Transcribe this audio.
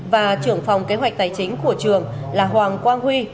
và trưởng phòng kế hoạch tài chính của trường là hoàng quang huy